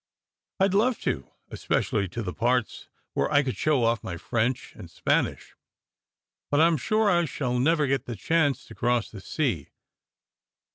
"I d love to, especially to the parts where I could show off my French and Spanish. But I m sure I shall never get the chance to cross the sea."